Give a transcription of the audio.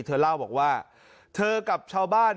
เธอเล่าบอกว่าเธอกับชาวบ้าน